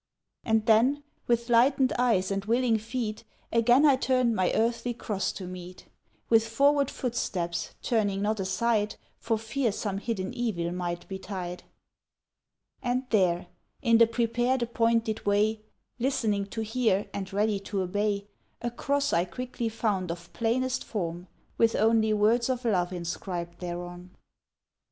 And then, with lightened eyes and willing feet, Again I turned my earthly cross to meet; With forward footsteps, turning not aside, For fear some hidden evil might betide; And there in the prepared, appointed way, Listening to hear, and ready to obey A cross I quickly found of plainest form, With only words of love inscribed thereon.